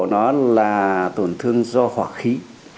nó là tổn thương do hỏa khí